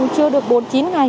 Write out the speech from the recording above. chưa được bốn chín ngày